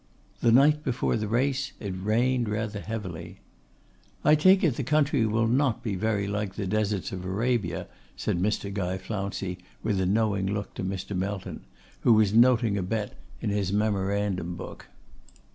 The night before the race it rained rather heavily. 'I take it the country will not be very like the Deserts of Arabia,' said Mr. Guy Flouncey, with a knowing look to Mr. Melton, who was noting a bet in his memorandum book.